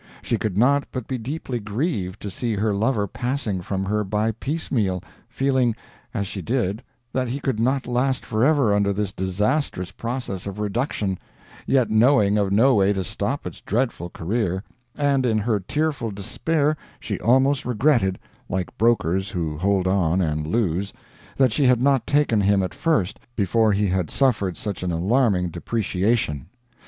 She could not but be deeply grieved to see her lover passing from her by piecemeal, feeling, as she did, that he could not last forever under this disastrous process of reduction, yet knowing of no way to stop its dreadful career, and in her tearful despair she almost regretted, like brokers who hold on and lose, that she had not taken him at first, before he had suffered such an alarming depreciation.